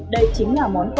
đây chính là món quà